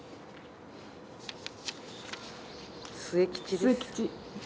末吉。